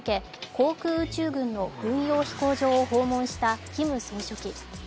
航空宇宙軍の軍用飛行場を訪問したキム総書記。